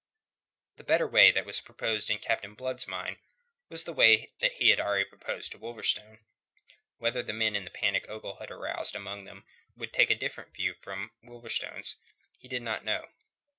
The better way that was in Captain Blood's mind was the way that already he had proposed to Wolverstone. Whether the men in the panic Ogle had aroused among them would take a different view from Wolverstone's he did not know.